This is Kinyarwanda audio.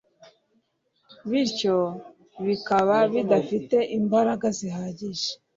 bityo kikaba kidafite imbaraga zihagije